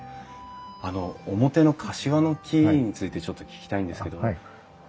あの表のカシワの木についてちょっと聞きたいんですけど。